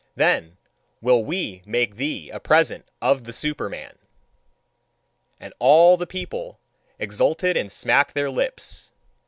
Then will we make thee a present of the Superman!" And all the people exulted and smacked their lips.